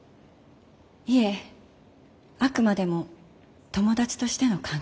いえあくまでも友達としての関係でした。